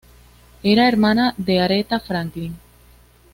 Era hermana de Aretha Franklin.